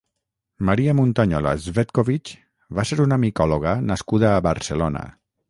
Maria Muntañola Cvetković va ser una micòloga nascuda a Barcelona.